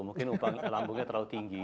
mungkin upah lambungnya terlalu tinggi